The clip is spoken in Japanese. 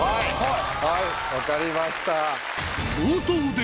はい分かりました。